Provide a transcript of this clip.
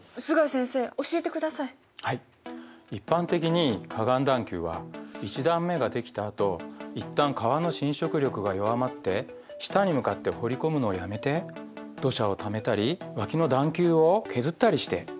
一般的に河岸段丘は一段目ができたあと一旦川の侵食力が弱まって下に向かって掘り込むのをやめて土砂をためたり脇の段丘を削ったりして谷の幅を広げます。